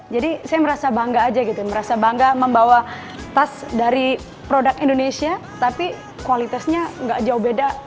jadi saya merasa bangga aja gitu merasa bangga membawa tas dari produk indonesia tapi kualitasnya gak jauh beda